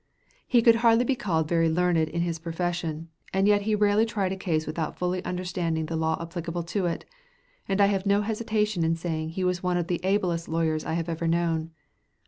He could hardly be called very learned in his profession, and yet he rarely tried a cause without fully understanding the law applicable to it; and I have no hesitation in saying he was one of the ablest lawyers I have ever known.